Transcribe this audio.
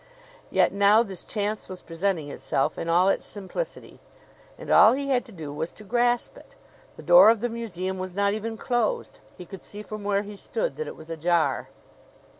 Yet now this chance was presenting itself in all its simplicity, and all he had to do was to grasp it. The door of the museum was not even closed. He could see from where he stood that it was ajar.